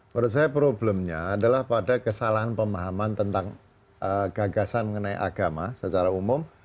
menurut saya problemnya adalah pada kesalahan pemahaman tentang gagasan mengenai agama secara umum